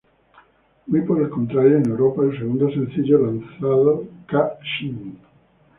Muy por lo contrario en Europa el segundo sencillo lanzado "Ka-Ching!